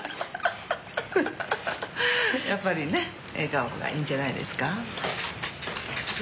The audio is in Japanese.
やっぱりね笑顔がいいんじゃないですか。